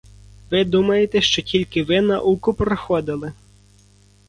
Ви думаєте, що тільки ви науку проходили?